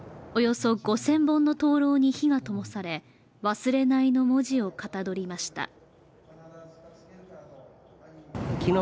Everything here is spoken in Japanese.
およそ５０００本の灯籠に火がともされ、「忘れない」の文字をかたどりました。